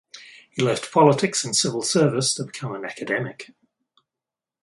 He left politics and civil service to become an academic.